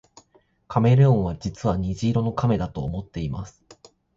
カメレオンは実は虹色の亀だと思っています